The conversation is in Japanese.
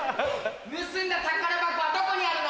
盗んだ宝箱はどこにあるの？